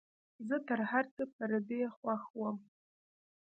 زه تر هرڅه پر دې خوښ وم.